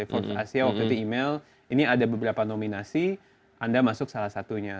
fox asia waktu itu email ini ada beberapa nominasi anda masuk salah satunya